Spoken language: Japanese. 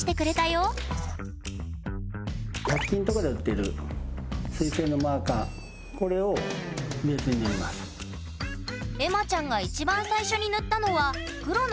エマちゃんが一番最初に塗ったのは黒のマニキュア。